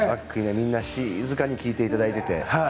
みんな静かに聴いていただいて。